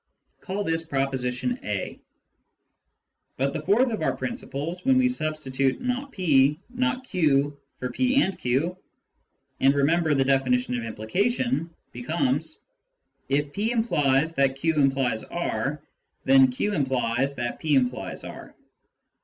Call this propo sition A. But the fourth of our principles, when we substitute not p", not q, for p and q, and remember the definition of implication, becomes : f " If p implies that q implies r, then q implies that p implies r."